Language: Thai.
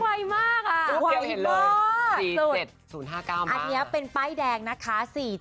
ตาไวมากอันนี้เป็นป้ายแดงนะคะ๔๗๐๕๙